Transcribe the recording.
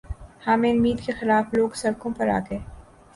حامد میر کے خلاف لوگ سڑکوں پر آگۓ